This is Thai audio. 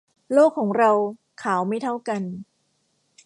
โลกของเราขาวไม่เท่ากัน